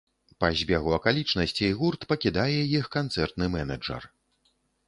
Па збегу акалічнасцей гурт пакідае іх канцэртны менеджар.